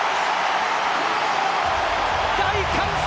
大歓声！